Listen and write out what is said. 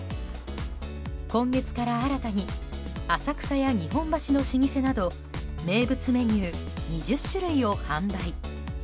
今月から新たに浅草や日本橋の老舗など名物メニュー、２０種類を販売。